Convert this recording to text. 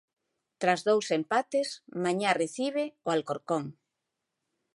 Tras dous empates mañá recibe o Alcorcón.